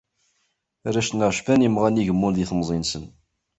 Arrac-nneɣ cban imɣan igemmun di temẓi-nsen.